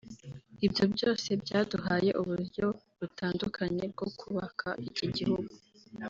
Ibyo byose byaduhaye uburyo butandukanye bwo kubaka iki gihugu